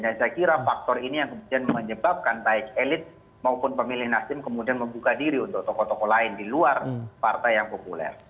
dan saya kira faktor ini yang kemudian menyebabkan baik elit maupun pemilih nasdem kemudian membuka diri untuk tokoh tokoh lain di luar partai yang populer